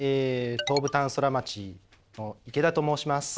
東武タウンソラマチの池田と申します。